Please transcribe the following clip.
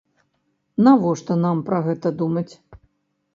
Навошта нам пра гэта думаць?